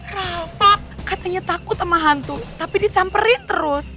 rapak katanya takut sama hantu tapi disamperin terus